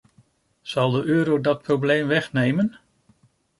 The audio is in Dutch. Zal de euro dat probleem wegnemen?